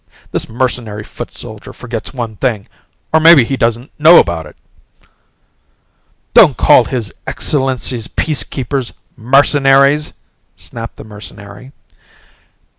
This mercenary foot soldier forgets one thing or maybe he doesn't know about it." "Don't call His Excellency's Peacekeepers 'mercenaries'!" snapped the mercenary.